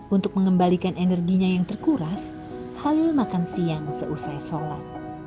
untuk mengembalikan energinya yang terkuras halil makan siang seusai sholat